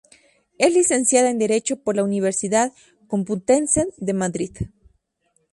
Es Licenciada en Derecho por la Universidad Complutense de Madrid.